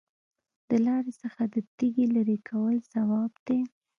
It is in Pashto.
د لارې څخه د تیږې لرې کول ثواب دی.